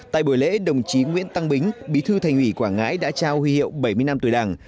tại buổi lễ đồng chí nguyễn tăng bính bí thư thành ủy quảng ngãi đã trao huy hiệu bảy mươi năm tuổi đảng